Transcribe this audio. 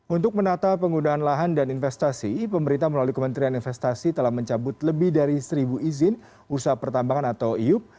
untuk menata penggunaan lahan dan investasi pemerintah melalui kementerian investasi telah mencabut lebih dari seribu izin usaha pertambangan atau iup